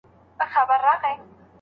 نو عصري ده.